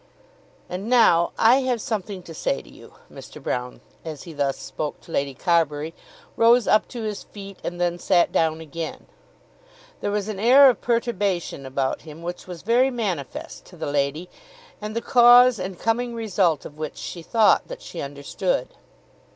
"And now I have something to say to you." Mr. Broune as he thus spoke to Lady Carbury rose up to his feet and then sat down again. There was an air of perturbation about him which was very manifest to the lady, and the cause and coming result of which she thought that she understood.